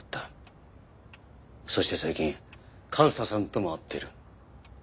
そして最近和沙さんとも会っている。